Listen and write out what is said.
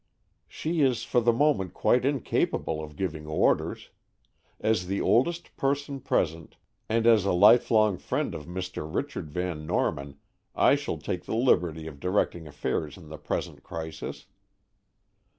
"She is for the moment quite incapable of giving orders. As the oldest person present, and as a life long friend of Mr. Richard Van Norman, I shall take the liberty of directing affairs in the present crisis."